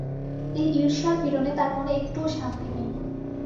এই ঈর্ষার পীড়নে তার মনে একটুও শান্তি নেই।